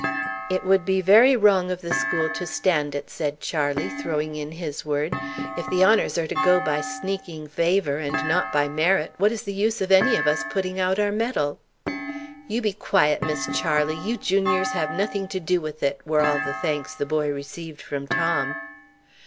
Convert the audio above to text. "It would be very wrong of the school to stand it," said Charley, throwing in his word. "If the honours are to go by sneaking favour, and not by merit, where is the use of any of us putting out our mettle?" "You be quiet, Miss Charley! you juniors have nothing to do with it," were all the thanks the boy received from Tom.